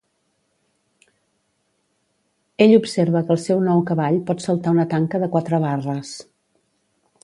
Ell observa que el seu nou cavall pot saltar una tanca de quatre barres.